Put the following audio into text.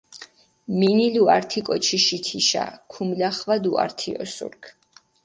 მინილუ ართი კოჩიში თიშა, ქუმლახვადუ ართი ოსურქ.